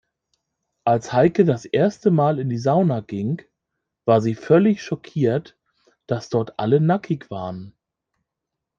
Als Heike das erste Mal in die Sauna ging, war sie völlig schockiert, dass dort alle nackig waren.